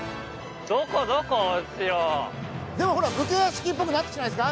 でもほら武家屋敷っぽくなってきてないですか？